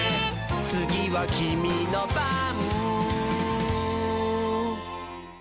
「つぎはキミのばん」